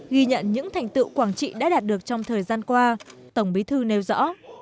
ghi nhận những thành tựu quảng trị đã đạt được trong thời gian qua tổng bí thư nêu rõ